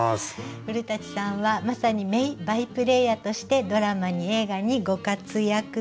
古さんはまさに名バイプレーヤーとしてドラマに映画にご活躍です。